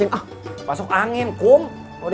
well ya kalau mau mamp knobady